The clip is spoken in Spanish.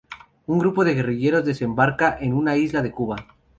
Un grupo de guerrilleros desembarca en una isla de Cuba.